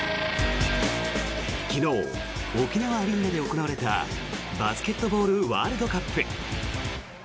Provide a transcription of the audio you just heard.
昨日、沖縄アリーナで行われたバスケットボールワールドカップ。